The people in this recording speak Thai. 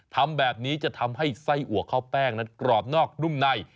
ทำแบบนี้จะทำให้ไส้อัวข้าวแป้งนั้นกรอบนอกนุ่มใน